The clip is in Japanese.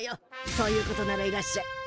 そういうことならいらっしゃい。